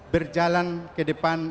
berjalan ke depan